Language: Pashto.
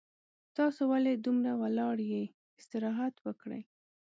تاسو ولې دومره ولاړ یي استراحت وکړئ